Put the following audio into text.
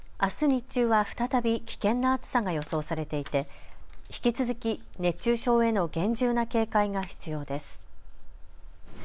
日中は再び危険な暑さが予想されていて引き続き熱中症への厳重な警戒が必要です。